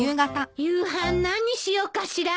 夕飯何にしようかしら？